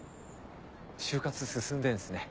就活進んでるんすね。